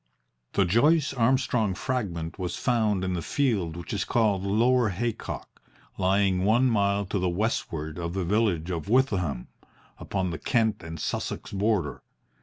The Joyce Armstrong Fragment was found in the field which is called Lower Haycock, lying one mile to the westward of the village of Withyham, upon the Kent and Sussex border.